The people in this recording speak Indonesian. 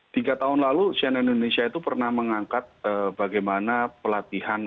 tiga tahun lalu cnn indonesia itu pernah mengangkat bagaimana pelatihan